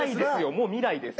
もう未来です。